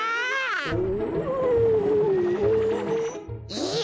えっ？